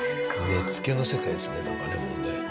根付の世界ですねなんかねもうね。